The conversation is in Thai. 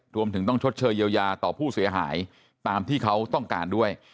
รวมถึงต้องชดเชยเยียวยาต่อผู้เสียหายตามที่เขาต้องการด้วย